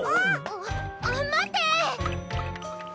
あっまって！